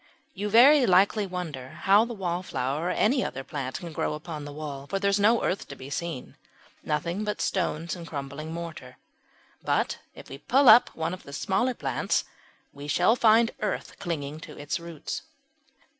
You very likely wonder how the Wallflower or any other plant can grow upon the wall, for there is no earth to be seen nothing but stones and crumbling mortar. But if we pull up one of the smaller plants we shall find earth clinging to its roots.